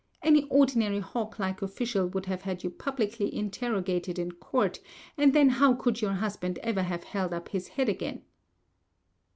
Any ordinary hawk like official would have had you publicly interrogated in court; and then how could your husband ever have held up his head again?"